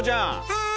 はい！